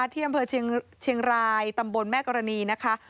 ที่อำเภอเชียงรายตำบลแม่กรณีนะคะ